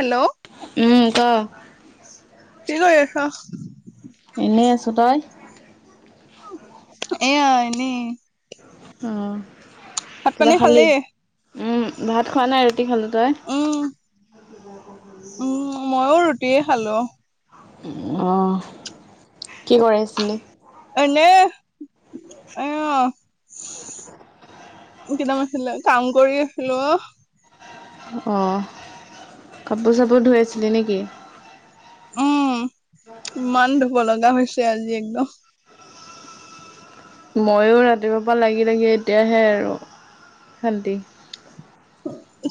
Hello উম ক কি কৰি আছ? এনেই আছোঁ তই এয়া এনেই অ ভাত কিবা পানী খালি উম ভাত খোৱা নাই ৰুটি খালো। তই? উম। উম ময়ো ৰুটিয়ে খালো। অঁ কি কৰি আছিলি? এনে অ। কেইদাম আছিলে কাম কৰি আছিলো অ অঁ কাপোৰ চাপোৰ ধুই আছিলি নেকি? উম ইমান ধুব লগা হৈছে আজি একদম ময়ো ৰাতিপুৱাৰ পৰা লাগি লাগে এতিয়াহে আৰু শান্তি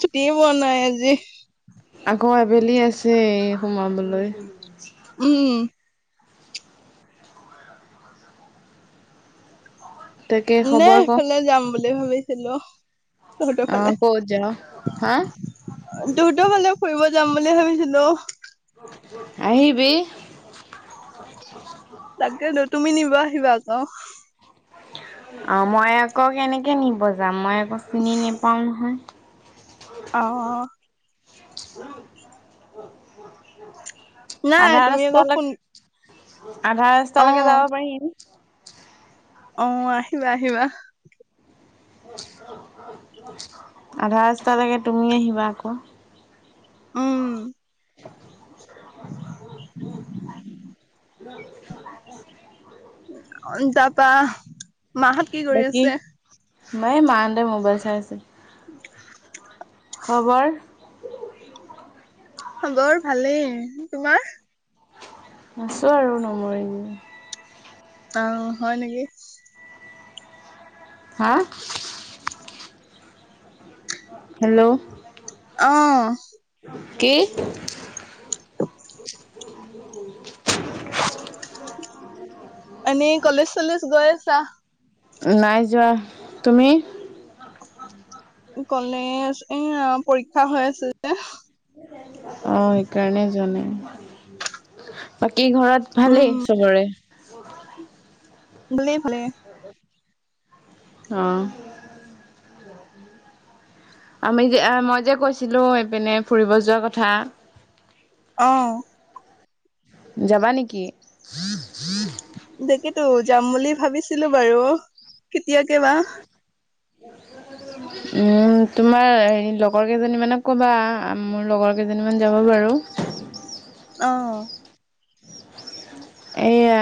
চুতিয়ে পোৱা নাই আজি। আকৌ আবেলি আছে সোমাবলৈ উম তাকে এনে খবৰ ক সেইফালে যাম বুলি ভাবিছিলোঁ। অ ক'ত যাও হা তহঁতো ফালে ফুৰিব যাম বুলি ভাবিছিলোঁ। আহিবি। তাকে ন তুমি নিব আহিবা আক। অ মই আকৌ কেনেকৈ নিব যাম মই আকৌ চিনি নেপাওঁ নহয়। অ অ [unintelligible] [unintelligible] নাই আধা তুমি আকৌ ফোন ৰাস্তালৈক আধা ৰাস্তালৈকে অ', যাব পাৰিম। অ আহিবা আহিবা। আধাৰাস্তালৈকে তুমি আহিবা আক উম [unintelligible] তাৰপা মা হঁত বাকী এই মা হঁতে মোবাইল চাই আছে। [unintelligible] খবৰ খবৰ ভালেই তোমাৰ? আছোঁ আৰু নমৰি জীয়াই অ হয় নেকি? হা হেল্ল' অঁ কি? এনে কলেজ চলেজ গৈ আছা? নাই যোৱা। তুমি? কলেজ এয়া পৰীক্ষা হৈ আছে যে। অ', সেইকাৰণে যোৱা নাই, বাকী ঘৰত উম, ভালেই চবৰে? ভালেই ভালেই। অ'। আমি যে মই যে কৈছিলো এইপিনে ফুৰিব যোৱা কথা। অ'। যাবা নেকি? তাকেতো যাম বুলি ভাবিছিলো বাৰু কেতিয়াকে বা? [inaudible] উম, তোমাৰ হেৰি লগৰ কেইজনী মানক ক'বা মোৰ লগৰ কেইজনী মান যাব বাৰু। অ'। এইয়া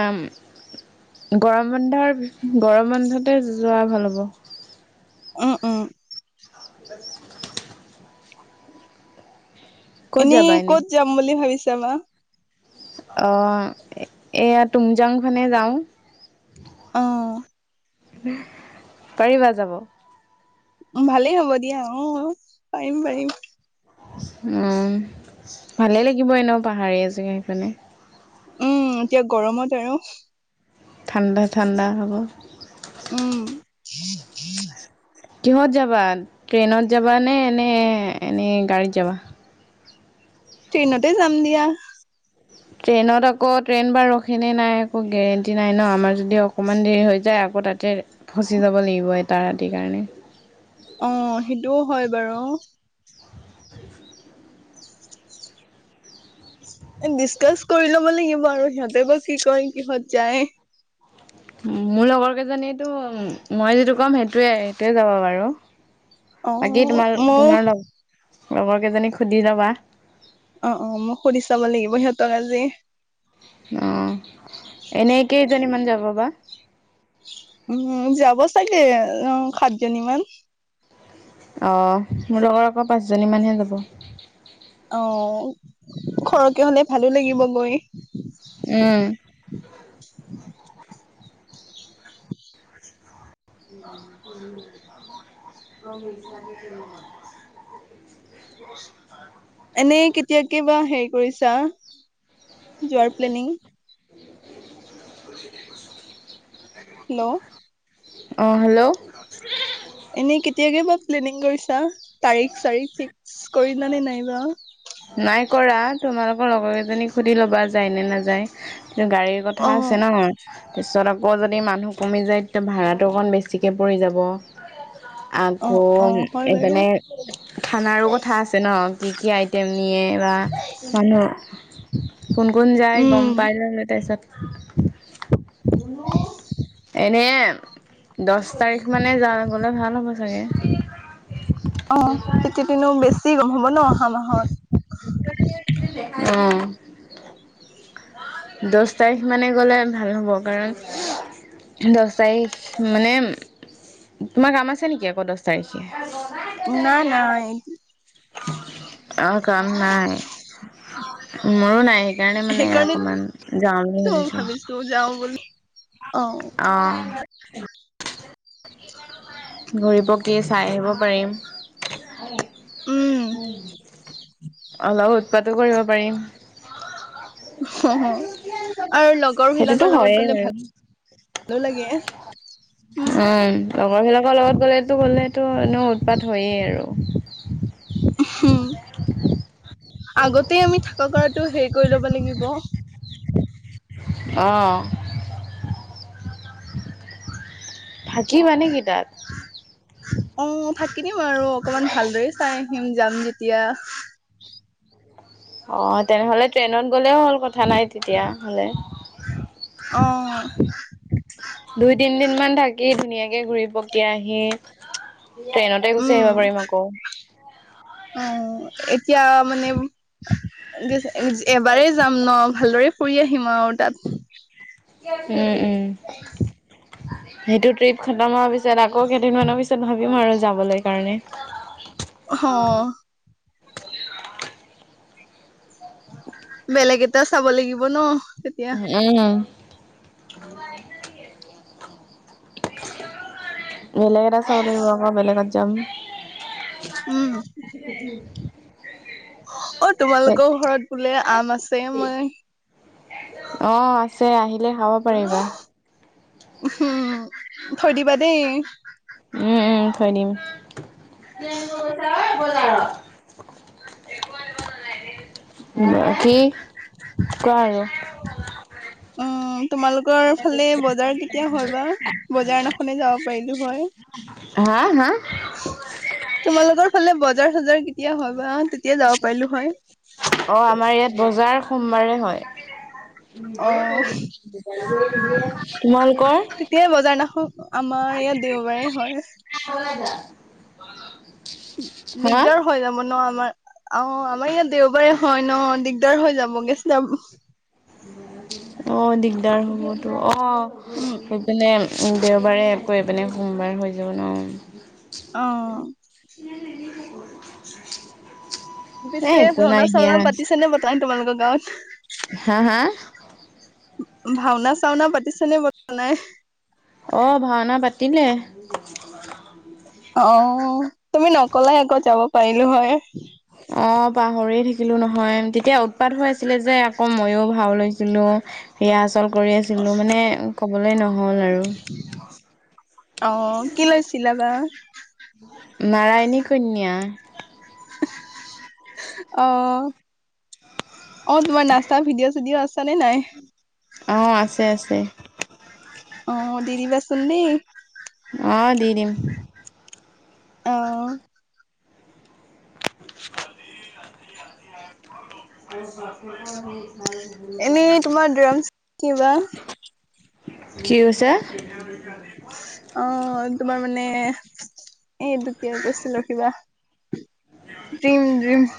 গৰম বন্ধৰ গৰম বন্ধতে যোৱা ভাল হ'ব। উম, উম। [inaudible] ক'ত এনেই যাবা এনে ক'ত যাম বুলি ভাবিছা বা? অ', এইয়া টুমজাংখনেই যাওঁ। অ'। পাৰিবা যাব? উম, ভালেই হ'ব দিয়া অ' পাৰিম পাৰিম। উম, ভালে লাগিব এনেও পাহাৰীয়া জেগা সেইফালে। উম, এতিয়া গৰমত আৰু। ঠাণ্ডা ঠাণ্ডা হ'ব। উম। কিহত যাবা ট্ৰেইনত যাবানে নে নে এনেই গাড়ীত যাবা? ট্ৰেইনতে যাম দিয়া। ট্ৰেইনত আকৌ ট্ৰেইন বা ৰখেনে নাই একো গেৰেণ্টি নাই ন, আমাৰ যদি অকণমান দেৰি হৈ যায় আকৌ আকৌ তাতে ফচি যাব লাগিব এটা ৰাতিৰ কাৰণে। অ', সেইটোও হয় বাৰু। [inaudible] ডিচকাচ কৰি ল'ব লাগিব আৰু সিহঁতে বা কি কয় কিহত যায়। মোৰ লগৰ কেইজনীয়েতো মই যিটো ক'ম সেইটোৱে সেইটোৱে যাব বাৰু। অ বাকী তোমাৰ মইও তোমাৰ লগ লগৰ কেইজনীক সুধি ল'বা। অ', অ', মই সুধি চাব লাগিব সিহঁতক আজি। অ', এনেই কেইজনীমান যাব বা? উম, যাব চাগে অ' সাতজনি মান। অ', মোৰ লগৰ আকৌ পাঁচজনীমান হে যাব। অ', সৰহকে হ'লে ভালেই লাগিব গৈ। উম। [inaudible] [inaudible] এনেই কেতিয়াকে বা হেৰি কৰিছা যোৱাৰ প্লেনিং? [inaudible] হেল্ল'। অ হেল্ল'। এনেই কেতিয়াকে ব প্লেনিং কৰিছা তাৰিখ চাৰিখ ফিক্স কৰিলা নে নাই বা? নাই কৰা তোমালোকৰ লগৰ কেইজনীক সুধি লবা যায় নে নাযায় কি গাড়ী- অ কথা আছে ন। তাৰপিছত আকৌ যদি মানুহ কমি যায় তেতিয়া ভাড়াটো অকণ বেছিকৈ পৰি যাব। অ আকৌ অ হয় বাৰু মানে খানাৰো কথা আছে ন কি কি- তেমিয়ে বা মানুহ কোন কোন যায় গম উম পাই মি তাৰপিছত- [unintelligible] কোনো এনেই, দহ তাৰিখ মানে যাব গ'লে ভাল হ'ব চাগে। অ, তেতিয়া তেনো বেছি গম হব ন অহা মাহত। অহ। দহ তাৰিখ মানে গ'লে ভাল হ'ব কাৰণ- দহ তাৰিখ মানে, তোমাৰ কাম আছে নেকি আকৌ দহ- না তাৰিখে। নাই অ কাম নাই, মোৰো নাই সেইকাৰণে মানে- মান জাও বুলি ভাবিছো। তো যাওঁ বুলি- অ অহ। ঘূৰিপকে চাই আহিব পাৰিম। উম অলপ উৎপাতো কৰিব পাৰিম। অ, আৰু লগৰ সেইটোতো বিলাকৰ লগত হয়েই গ'লে বাৰু ভালো লাগে। উম লগৰবিলাকৰ লগত গ'লেতো গ'লেতো এনেও উৎপাত হয়ে আৰু। হম। আগতে আমি থাকা কৰাতটো হেৰি কৰি ল'ব লাগিব। অ। থাকি মানে কি তাত? অ থাকি দিম আৰু অকনমান ভালদৰে চাই আহিম যাম যেতিয়া। অঁহ তেনেহ'লে ট্ৰেইনত গ'লেও হ'ল কথা নাই তেতিয়া হ'লে। অহ। দুই তিনদিন মান থাকি ধুনীয়াকে ঘূৰি পকি আহি- ট্ৰেইনতে গুচি উম আহিব পাৰিম আকৌ। অ এতিয়া মানে, এবাৰেই- যাম ন ভালদৰে ফুৰি আহিম আৰু তাত। উম উম, সেইটো ট্ৰিপ খতম হোৱাৰ পিছত আকৌ কেইদিনমানৰ পিছত- ভাবিম আৰু যাবলৈ কাৰণে। অহ। বেলেগ এটা চাব লাগিব ন তেতিয়া। উম। [inaudible] বেলেগ এটা চাবলাগিব বেলেগত যাম। উম। [inaudible] অ তোমালোকৰ ঘৰত বোলে আম আছে মই। অ আছে আহিলে খাব পাৰিবা। উম, থৈ দিবা দেই। উম উম থৈ দিম। বাকি কোৱা আৰু। অহ তোমালোকৰ ফালে বজাৰ কেতিয়া হয় বা? বজাৰ দিনাখনে যাব পাৰিলো হয়। হা হা? তোমালোকৰ ফালে বজাৰ চজাৰ কেতিয়া হয় বা? তেতিয়া যাব পাৰিলো হয়। অ আমাৰ ইয়াত বজাৰ সোমবাৰে হয়। অ', তোমালোকৰ? তেতিয়াই বজাৰ নাখন আমাৰ ইয়াত দেওবাৰে হয়। [inaudible] হা দিগদাৰ হৈ যাব ন আমাৰ। অঁ, আমাৰ ইয়াত দেওবাৰে হয় ন দিগদাৰ হৈ যাব গে চব। অঁ দিগদাৰ হ'বতো অঁ। উম, পিনে দেওবাৰে আকৌ এপিনে সোমবাৰ হৈ যাব ন। অঁ। [inaudible] পিছে একো ভাওঁনা নাই দিয়া চাওনা পাতিছে নে নাই পতা তোমালোকৰ গাঁৱত? হা হা? ভাওঁনা চাওনা পাতিছে নে পাতা নাই? অ ভাওঁনা পাতিলে। অ তুমি নকলাই আক' যাব পাৰিলো হয়। অ পাহৰিয়ে থাকিলো নহয়। তেতিয়া উৎপাত হৈ আছিলে যে, আকৌ মইয়ো ভাও লৈছিলো। ৰিহাৰ্চেল কৰি আছিলো মানে ক'বলৈ নহ'ল আৰু। অ কি লৈছিলা বা? নাৰায়ণী কন্যা। অহ অ তোমাৰ নাচা ভিডিঅ' চিডিঅ' আছে নে নাই? অঁ আছে আছে। অঁ দি দিবাচোন দেই। অ দি দিম। অঁ। [inaudible] [inaudible] এনেই তোমাৰ ড্ৰাম কি বা? কি কৈছা? অ তোমাৰ মানে এইটো কিয় কৈছিলো ৰখিবা ড্ৰীম ড্ৰীম।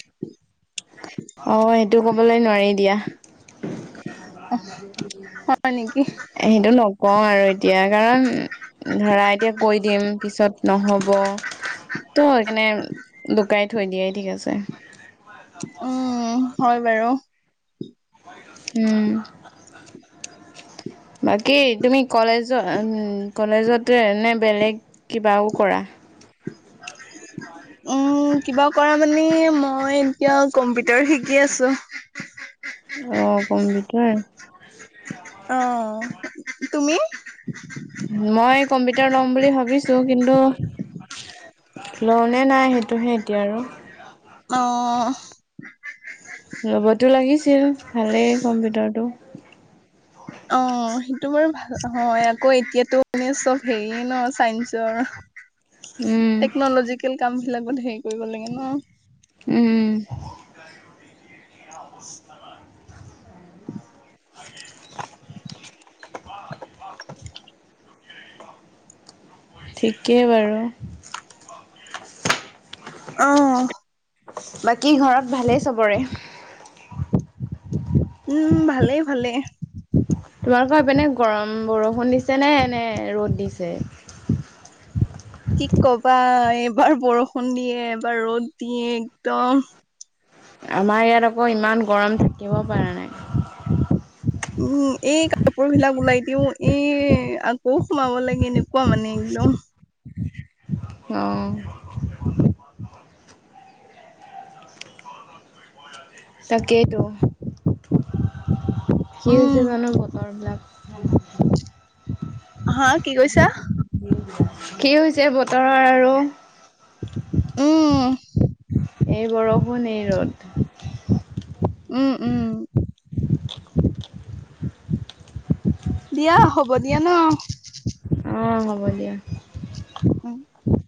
অ এইটো কবলৈ নোৱাৰি দিয়া। অ হয় নেকি? সেইটো নকওঁ আৰু এতিয়া কাৰণ ধৰা এতিয়া কৈ দিম পিছত নহ'ব ত সেইকাৰনে লুকাই থৈ দিয়াই ঠিক আছে। উম, হয় বাৰু। উম বাকী তুমি কলেজত কলেজতে নে বেলেগ কিবাও কৰা? [inaudible] উম কিবা কৰা মানে মই এতিয়া কম্পিউটাৰ শিকি আছো অ কম্পিউটাৰ অ তুমি মই কম্পিউটাৰ ল'ম বুলি ভাবিছো কিন্তু লও নে নাই সেইটোহে এতিয়া আৰু অ লব'তো লাগিছিল ভালেই কম্পিউটাৰটো অ সেইটো বাৰু ভাল হয় আকৌ এতিয়াতো মানে চব হেৰিয়ে ন চাইন্সৰ [unintelligible] উম টেকনলজিকেল কাম বিলাকত হেৰি কৰিব লাগে ন উম হয় [unintelligible] ঠিকেই বাৰু অ বাকী ঘৰত ভালেই চবৰে উম ভালেই ভালেই তোমালোকৰ সেপিনে গৰম বৰষুণ দিছে নে নে ৰ'দ দিছে কি কবা এইবাৰ বৰষুণ দিয়ে এবাৰ ৰ'দ দিয়ে একদম আমাৰ ইয়াত আকৌ ইমান গৰম থাকিব পৰা নাই উম এই কাপোৰ বিলাক ওলাই দিও এই আকৌও সোমাব লাগে এনে কোৱা মানে একদম অঁ তাকেইতো কি হৈছে উম জানো বতৰ বিলাক [unintelligible] হা কি কৈছা কি হৈছে বতৰৰ আৰু উম এই বৰষুণ এই ৰ'দ উম উম দিয়া হ'ব দিয়া ন উম হ'ব দিয়া [unintelligible]